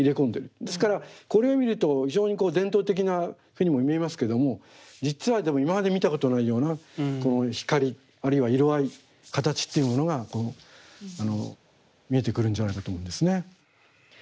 ですからこれを見ると非常にこう伝統的なふうにも見えますけども実はでも今まで見たことないような光あるいは色合い形というものが見えてくるんじゃないかと思うんですね。